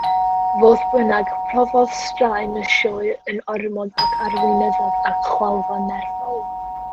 Fodd bynnag, profodd straen y sioe yn ormod, ac arweiniodd at chwalfa nerfol.